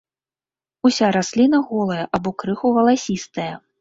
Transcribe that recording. Уся расліна голая або крыху валасістая.